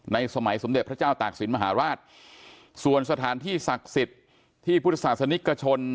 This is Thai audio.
สมัยสมเด็จพระเจ้าตากศิลปมหาราชส่วนสถานที่ศักดิ์สิทธิ์ที่พุทธศาสนิกชน